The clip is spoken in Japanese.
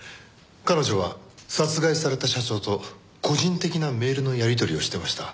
彼女は殺害された社長と個人的なメールのやり取りをしてました。